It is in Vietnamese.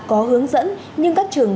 có hướng dẫn nhưng các trường